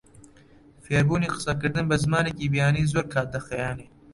فێربوونی قسەکردن بە زمانێکی بیانی زۆر کات دەخایەنێت.